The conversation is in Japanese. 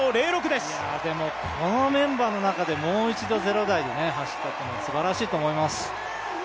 でも、このメンバーの中でもう一度、ゼロ台で走ったのすばらしいと思います。